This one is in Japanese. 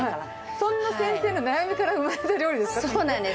そんな先生の悩みから生まれそうなんです。